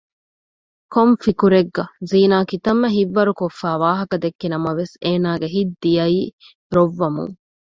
ކޮން ފިކުރެއްގަ؟ ; ޒީނާ ކިތައްމެ ހިތްވަރުކޮށްފައި ވާހަކަ ދެއްކި ނަމަވެސް އޭނަގެ ހިތް ދިޔައީ ރޮއްވަމުން